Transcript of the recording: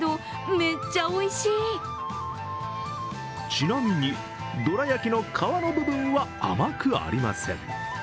ちなみに、どら焼きの皮の部分は甘くありません。